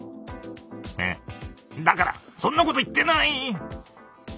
えだからそんなこと言ってない！